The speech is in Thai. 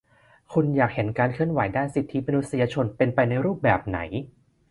"คุณอยากเห็นการเคลื่อนไหวด้านสิทธิมนุษยชนเป็นไปในรูปแบบไหน ?"